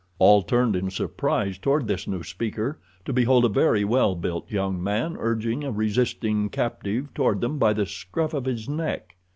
All turned in surprise toward this new speaker, to behold a very well built young man urging a resisting captive toward them by the scruff of his neck.